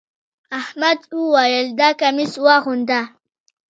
احمد وويل: دا کميس واغونده.